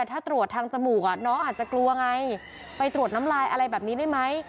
ถ้าตรวจทางจมูกน้องอาจจะกลัวไงไปตรวจน้ำลายอะไรแบบนี้ได้ไหม